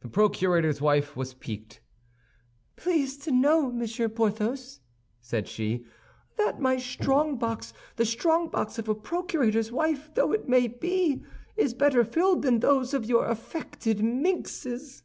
The procurator's wife was piqued. "Please to know, Monsieur Porthos," said she, "that my strongbox, the strongbox of a procurator's wife though it may be, is better filled than those of your affected minxes."